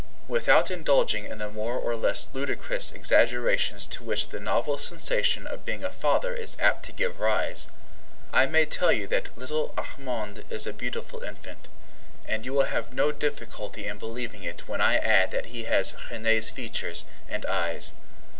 Without indulging in the more or less ludicrous exaggerations to which the novel sensation of being a father is apt to give rise, I may tell you that little Armand is a beautiful infant, and you will have no difficulty in believing it when I add that he has Renee's features and eyes.